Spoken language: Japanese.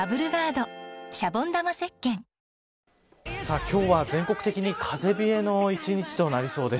今日は全国的に風冷えの一日となりそうです。